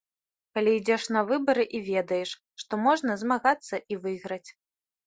Калі ідзеш на выбары і ведаеш, што можна змагацца і выйграць.